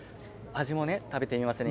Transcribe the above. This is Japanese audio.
味も食べてみますね。